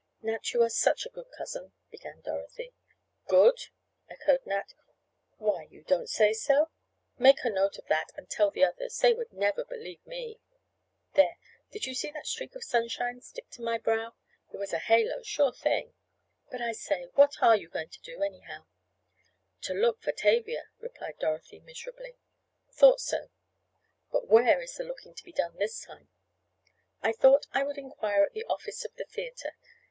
"Nat, you are such a good cousin," began Dorothy. "Good?" echoed Nat. "Why, you don't say so? Make a note of that and tell the others—they would never believe me. There, did you see that streak of sunshine stick to my brow? It was a halo, sure thing. But, I say, what are you going to do, anyhow?" "To look for Tavia," replied Dorothy miserably. "Thought so. But where is the looking to be done this time?" "I thought I would inquire at the office of the theatre.